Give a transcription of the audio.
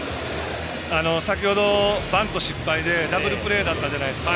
先ほど、バント失敗でダブルプレーだったじゃないですか。